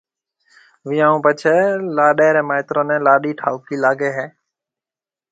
ويهان هون پڇيَ لاڏيَ ري مائيترو نَي لاڏيِ ٺائوڪِي لاگي هيَ۔